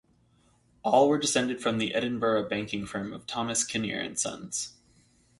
All were descended from the Edinburgh banking firm of Thomas Kinnear and Sons.